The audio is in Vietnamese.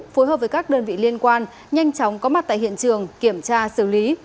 phối hợp với các đơn vị liên quan nhanh chóng có mặt tại hiện trường kiểm tra xử lý